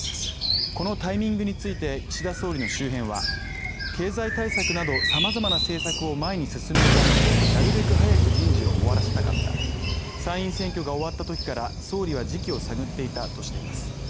このタイミングについて岸田総理の周辺は経済対策などさまざまな政策を前に進めるためになるべく早く人事を終わらせたかった参院選挙が終わった時から総理は時期を探っていたとしています